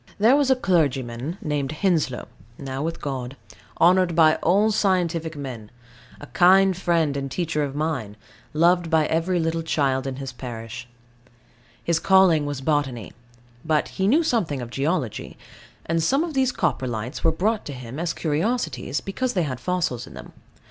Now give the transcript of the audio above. There was a clergyman named Henslow, now with God, honoured by all scientific men, a kind friend and teacher of mine, loved by every little child in his parish. His calling was botany: but he knew something of geology. And some of these Coprolites were brought him as curiosities, because they had fossils in them.